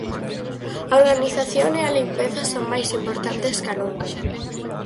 A organización e a limpeza son máis importantes ca nunca.